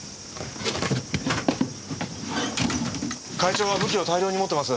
会長は武器を大量に持ってます。